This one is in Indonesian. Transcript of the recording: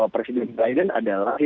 president biden adalah